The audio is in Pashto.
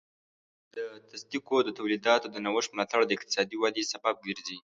د تصدیو د تولیداتو د نوښت ملاتړ د اقتصادي ودې سبب ګرځي.